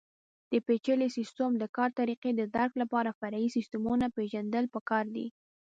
د پېچلي سیسټم د کار طریقې د درک لپاره فرعي سیسټمونه پېژندل پکار دي.